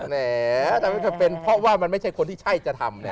แหน่ทำไม่ค่อยเป็นเพราะว่ามันไม่ใช่คนที่ใช่จะทำ